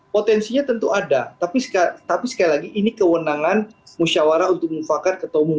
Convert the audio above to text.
potensinya tentu ada tapi sekali lagi ini kewenangan musyawarah untuk mufakat ketua umum